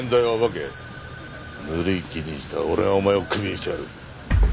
ぬるい記事にしたら俺がお前をクビにしてやる！